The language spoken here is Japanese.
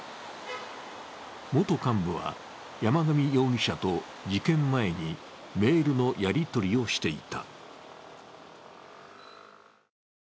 元幹部は山上容疑者と事件前にメールのやり取りをしていた。